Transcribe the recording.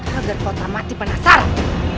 agar kau tak mati penasaran